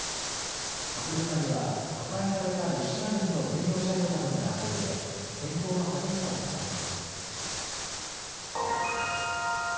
博物館には破壊されたロシア軍の軍用車両などが並んでいて戦闘の激しさを伝えています。